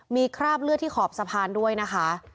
มีคราบเลือดที่ขอบสะพานด้วยนะคะ